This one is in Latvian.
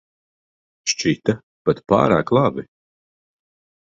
Šķita pat pārāk labi.